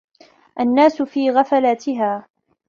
الناس في غفلاتها